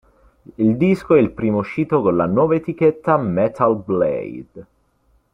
Il disco è il primo uscito con la nuova etichetta Metal Blade.